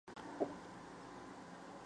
该党支持政党联盟零削减。